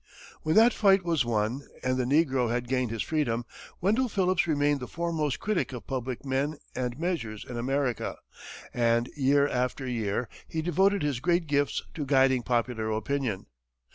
When that fight was won and the negro had gained his freedom, Wendell Phillips remained the foremost critic of public men and measures in America, and year after year, he devoted his great gifts to guiding popular opinion.